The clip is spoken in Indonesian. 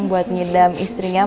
buat ngidam istrinya